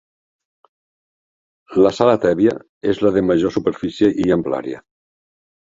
La sala tèbia és la de major superfície i amplària.